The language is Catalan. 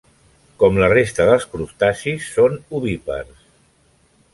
Com la resta dels crustacis, són ovípars.